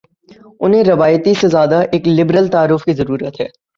انہیں روایتی سے زیادہ ایک لبرل تعارف کی ضرت ہے۔